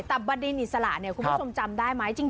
ตับบดินอิสระคุณผู้ชมจำได้ไหม